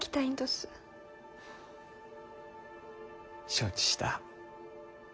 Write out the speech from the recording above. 承知した。